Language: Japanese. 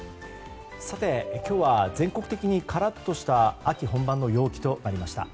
今日は全国的にカラッとした秋本番の陽気となりました。